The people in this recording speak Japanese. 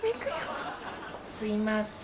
すいません。